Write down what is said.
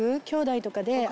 きょうだいとかで。